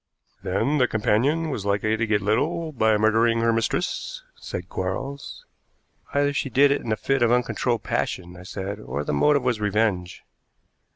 "Then the companion was likely to get little by murdering her mistress," said Quarles. "Either she did it in a fit of uncontrollable passion," I said, "or the motive was revenge."